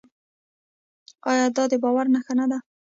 آیا دا د باور نښه نه ده؟